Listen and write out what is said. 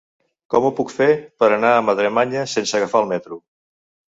Com ho puc fer per anar a Madremanya sense agafar el metro?